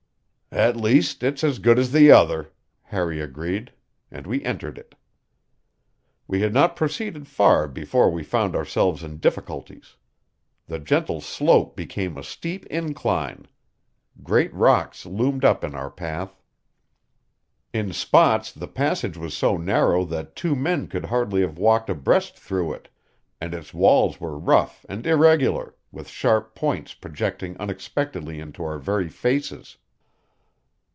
"At least, it's as good as the other," Harry agreed; and we entered it. We had not proceeded far before we found ourselves in difficulties. The gentle slope became a steep incline. Great rocks loomed up in our path. In spots the passage was so narrow that two men could hardly have walked abreast through it, and its walls were rough and irregular, with sharp points projecting unexpectedly into our very faces.